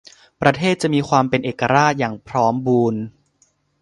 ประเทศจะมีความเป็นเอกราชอย่างพร้อมบูรณ์